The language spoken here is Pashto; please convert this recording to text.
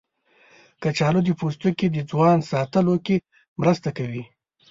کچالو د پوستکي د ځوان ساتلو کې مرسته کوي.